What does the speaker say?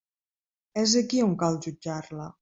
És aquí on cal jutjar-la.